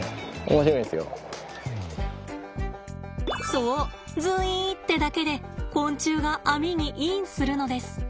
そうズイーってだけで昆虫が網にインするのです。